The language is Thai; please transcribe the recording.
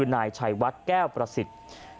นายชัยวัดแก้วประสิทธิ์